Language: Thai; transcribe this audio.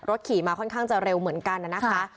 ขี่มาค่อนข้างจะเร็วเหมือนกันนะคะ